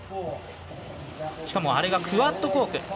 しかも、あれがクワッドコーク。